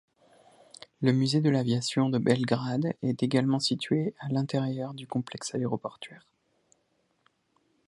Le Musée de l'aviation de Belgrade est également situé à l'intérieur du complexe aéroportuaire.